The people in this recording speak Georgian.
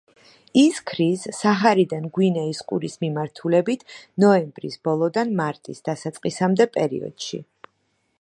ის ქრის საჰარიდან გვინეის ყურის მიმართულებით ნოემბრის ბოლოდან მარტის დასაწყისამდე პერიოდში.